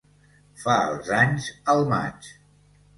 Fa els anys al maig.